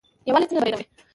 یووالی څنګه بری راوړي؟